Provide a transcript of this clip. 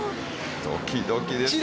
ドキドキですよ。